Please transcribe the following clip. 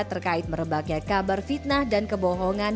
terkait merebaknya kabar fitnah dan kebohongan